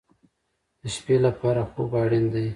د شپې لپاره خوب اړین دی